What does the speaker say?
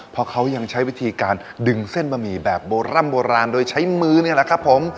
เพราะเขายังใช้วิธีการดึงเส้นบะหมี่แบบโบร่ำโบราณโดยใช้มือนี่แหละครับผม